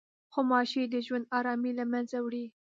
غوماشې د ژوند ارامي له منځه وړي.